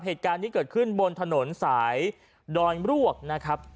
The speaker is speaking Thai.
เหตุการณ์นี้เกิดขึ้นบนถนนสายดอนรวกนะครับ